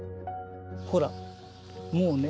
ほらもうね